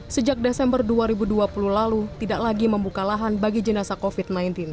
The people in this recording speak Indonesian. sejak desember dua ribu dua puluh lalu tidak lagi membuka lahan bagi jenazah covid sembilan belas